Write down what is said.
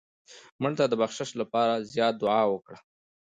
مړه ته د بخشش لپاره زیات دعا وکړه